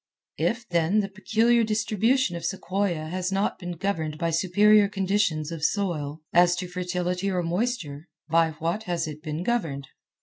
If, then, the peculiar distribution of sequoia has not been governed by superior conditions of soil as to fertility or moisture, by what has it been governed?